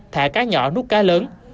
thả cá nhỏ nút cá lớn